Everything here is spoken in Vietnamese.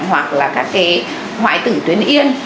hoặc là các cái hoại tử tuyến yên